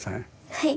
はい。